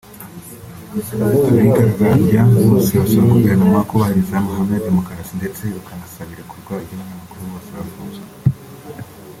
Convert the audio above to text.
Abigaragambya bose basaba Guverinoma kubahiriza amahame ya Demokarasi ndetse bakanasaba irekurwa ry’abanyamakuru bose bafunzwe